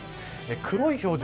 黒い表示